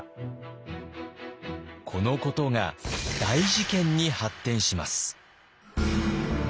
このことが大事件に発展します。